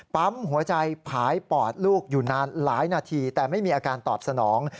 ปั๊มหัวใจผายปอดลูกอยู่นานหลายนาทีแต่ไม่มีอาการตอบสนอง